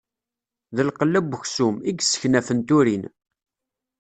D lqella n uksum, i yesseknafen turin.